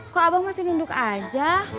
kok abang masih nunduk aja